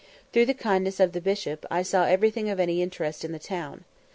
Through the kindness of the Bishop, I saw everything of any interest in the town.